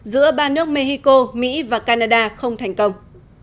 giữa ba nước mexico mỹ và canada không thành công